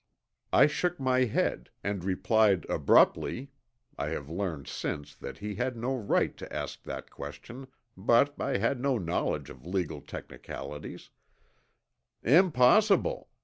I shook my head and replied abruptly (I have learned since that he had no right to ask that question, but I had no knowledge of legal technicalities): "Impossible.